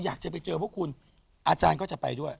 อยากจะไปเจอพวกคุณอาจารย์ก็จะไปด้วย